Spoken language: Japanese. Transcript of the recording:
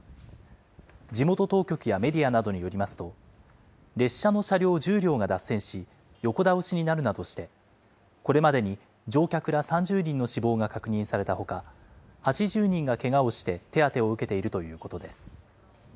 地元当局やメディアなどによりますと、列車の車両１０両が脱線し、横倒しになるなどして、これまでに乗客ら３０人の死亡が確認されたほか、８０人がけがをして手当てを受けているということです。